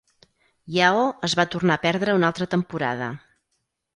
Yao es va tornar a perdre una altra temporada.